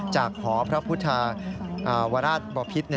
หอพระพุทธวราชบพิษ